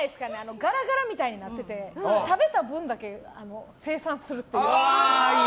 ガラガラみたいになってて食べた分だけ、精算するという。